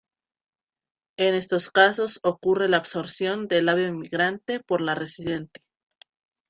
En estos casos ocurre la absorción del ave migrante por la residente.